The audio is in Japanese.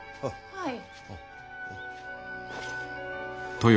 はい。